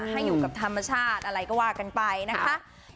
ให้กับธรรมชาติอะไรก็ว่ากันไปนะคะ